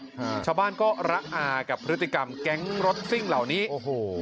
ชาวบ้านก็ระอากับพฤติกรรมแก๊งรถซิ่งเหล่านี้โอ้โห